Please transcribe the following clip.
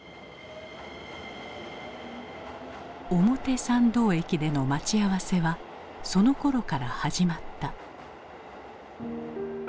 表参道駅での待ち合わせはそのころから始まった。